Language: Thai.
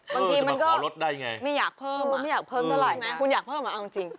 จะมาขอลดได้ไงไม่อยากเพิ่มอ่ะใช่ไหมครับคุณอยากเพิ่มหรือเอาจริง